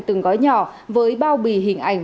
từng gói nhỏ với bao bì hình ảnh